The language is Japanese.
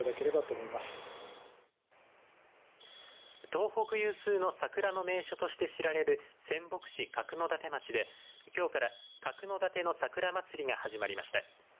東北有数の桜の名所として知られる仙北市角館町できょうから角館の桜まつりが始まりました。